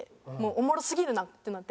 おもろすぎるなってなって。